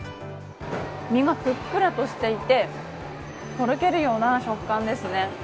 身がふっくらとしていてとろけるような食感ですね。